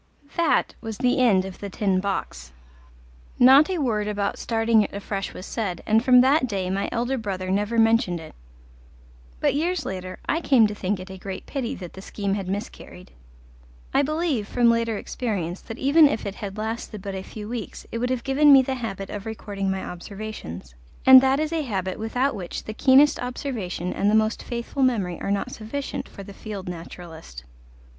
That was the end of The Tin Box; not a word about starting it afresh was said, and from that day my elder brother never mentioned it. But years later I came to think it a great pity that the scheme had miscarried. I believe, from later experience, that even if it had lasted but a few weeks it would have given me the habit of recording my observations, and that is a habit without which the keenest observation and the most faithful memory are not sufficient for the field naturalist.